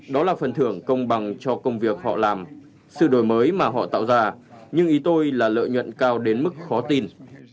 đó là phần thưởng công bằng cho công việc họ làm sự đổi mới mà họ tạo ra nhưng ý tôi là lợi nhuận cao đến mức khó tin